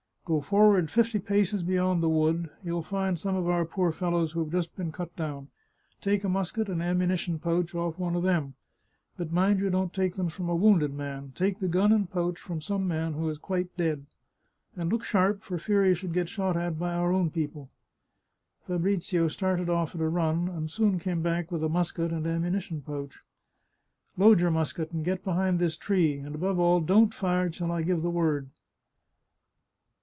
Go forward fifty paces beyond the wood ; you'll find some of our poor fel lows who've just been cut down. Take a musket and am munition pouch off one of them. But mind you don't take them from a wounded man ; take the gun and pouch from some man who is quite dead. And look sharp, for fear you should get shot at by our own people !" Fabrizio started off at a run, and soon came back with a musket and ammunition pouch. " Load your musket, and get behind this tree ; and above all, don't fire till I give the word."